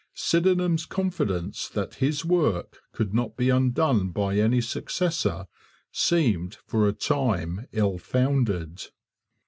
Sydenham's confidence that his work could not be undone by any successor seemed for a time ill founded.